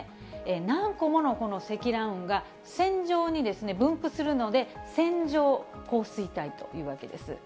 何個ものこの積乱雲が線状に分布するので、線状降水帯というわけです。